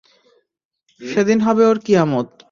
সেদিন হবে ওর কিয়ামত।